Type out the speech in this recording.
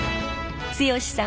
剛さん